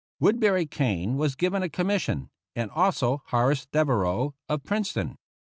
Woodbury Kane was given a commission, and also Horace Devereux, of Princeton.